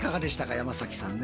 山崎さんね。